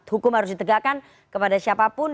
hukum harus ditegakkan kepada siapapun